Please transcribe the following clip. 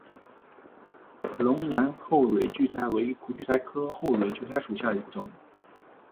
龙南后蕊苣苔为苦苣苔科后蕊苣苔属下的一个种。